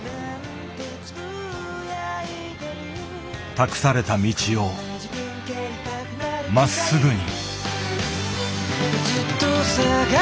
託された道をまっすぐに。